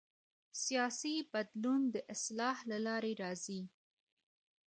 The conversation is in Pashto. سیاسي بدلون د اصلاح له لارې راځي